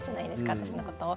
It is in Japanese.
私のことを。